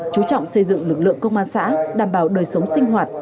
chú trọng xây dựng lực lượng công an xã đảm bảo đời sống sinh hoạt